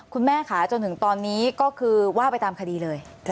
คุณแม่ค่ะจนถึงตอนนี้ก็คือว่าไปตามคดีเลย